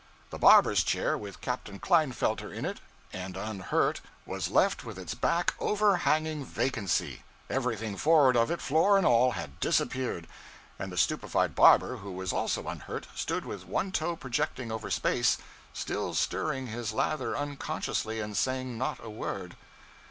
The barber's chair, with Captain Klinefelter in it and unhurt, was left with its back overhanging vacancy everything forward of it, floor and all, had disappeared; and the stupefied barber, who was also unhurt, stood with one toe projecting over space, still stirring his lather unconsciously, and saying, not a word.